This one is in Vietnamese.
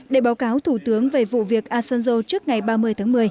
để báo cáo thủ tướng về vụ việc asanjo trước ngày ba mươi tháng một mươi